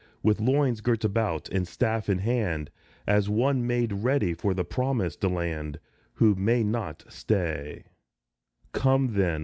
With loins girt about, and staff in hand, As one made ready for the Promised Land, Who may not stay ; Come, then.